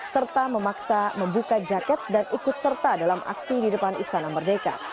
serta memaksa membuka jaket dan ikut serta dalam aksi di depan istana merdeka